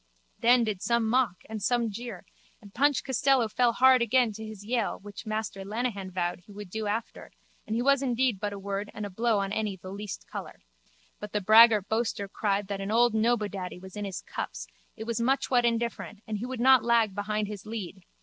Then did some mock and some jeer and Punch Costello fell hard again to his yale which Master Lenehan vowed he would do after and he was indeed but a word and a blow on any the least colour. But the braggart boaster cried that an old Nobodaddy was in his cups it was muchwhat indifferent and he would not lag behind his lead.